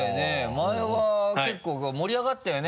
前は結構盛り上がったよね。